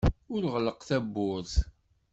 Ur ɣelleq tawwurt.